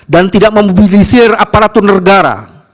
dan tidak memobilisir aparatur negara